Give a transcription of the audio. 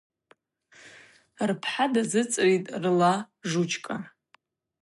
Рпхӏа дазыцӏритӏ рла Жучкӏа.